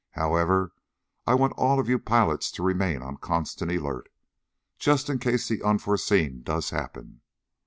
"However, I want all of you pilots to remain on constant alert, just in case the unforeseen does happen.